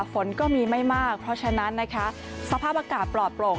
ฝนก็มีไม่มากเพราะฉะนั้นนะคะสภาพอากาศปลอดโปร่ง